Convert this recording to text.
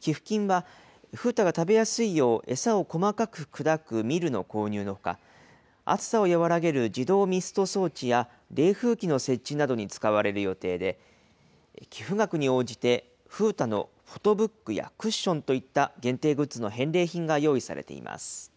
寄付金は風太が食べやすいよう餌を細かく砕くミルの購入のほか、暑さを和らげる自動ミスト装置や冷風機の設置などに使われる予定で、寄付額に応じて、風太のフォトブックやクッションといった限定グッズの返礼品が用意されています。